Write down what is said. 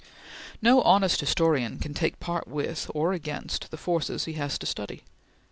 No honest historian can take part with or against the forces he has to study.